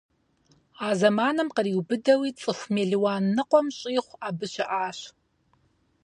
А зэманым къриубыдэуи цӀыху мелуан ныкъуэм щӀигъу абы щыӀащ.